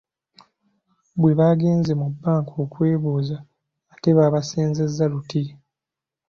Bwe baagenze mu bbanka okwebuuza ate babasenzezza luti